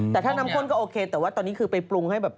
แต่ถ้าน้ำข้นก็โอเคแต่ว่าตอนนี้คือไปปรุงให้แบบ